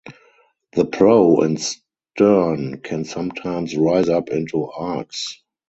The prow and stern can sometimes rise up into arcs.